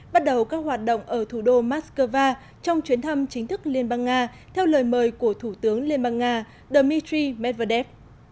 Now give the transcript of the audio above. bắt đầu các hoạt động ở thủ đô moscow trong chuyến thăm chính thức liên bang nga theo lời mời của thủ tướng liên bang nga dmitry medvedev